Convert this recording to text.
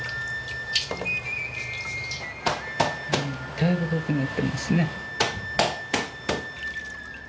だいぶ濃くなってますね。